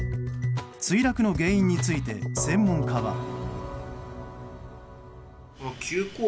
墜落の原因について専門家は。